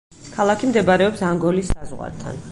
ქალაქი მდებარეობს ანგოლის საზღვართან.